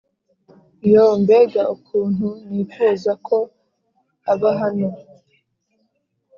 yoo mbega ukuntu nifuza ko aba hano,